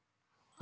あ！